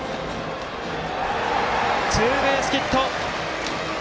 ツーベースヒット！